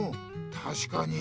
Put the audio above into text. たしかに。